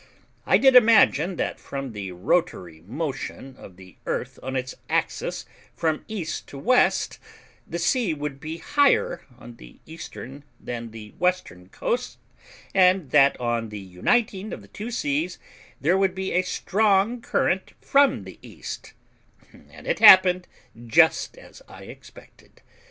I did imagine, that from the rotatory motion of the earth on its axis from west to east the sea would be higher on the eastern than the western coast, and that on the uniting of the two seas there would be a strong current from the east, and it happened just as I expected.